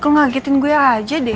kok ngagetin gue aja deh